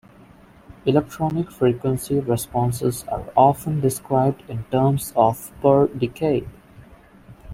Electronic frequency responses are often described in terms of "per decade".